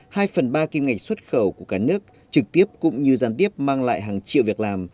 hai phần ba kim ngạch xuất khẩu của cả nước trực tiếp cũng như gián tiếp mang lại hàng triệu việc làm